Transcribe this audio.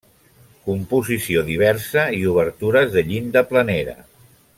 Composició diversa i obertures de llinda planera.